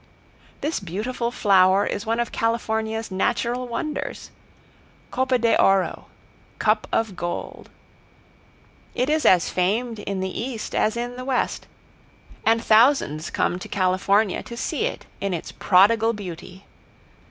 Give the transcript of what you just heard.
This beautiful flower is one of California's natural wonders "Copa de oro" cup of gold. It is as famed in the East as in the West, and thousands come to California to see it in its prodigal beauty.